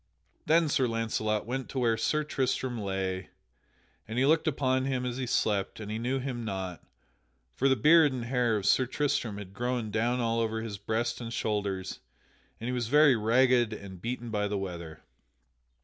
Then Sir Launcelot went to where Sir Tristram lay, and he looked upon him as he slept and he knew him not; for the beard and the hair of Sir Tristram had grown down all over his breast and shoulders and he was very ragged and beaten by the weather.